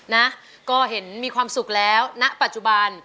นะก็เห็นมีความสุขแล้วณปัจจุบัน